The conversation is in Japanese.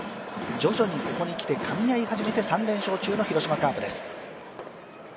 徐々にここにきてかみ合い始めて３連勝中の広島カープです。